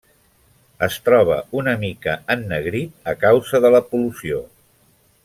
Es troba una mica ennegrit a causa de la pol·lució.